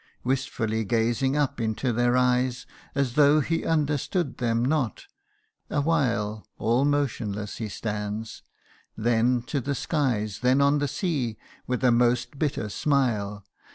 Wistfully gazing up into their eyes, As though he understood them not awhile All motionless he stands ; then to the skies, Then on the sea, with a most bitter smile.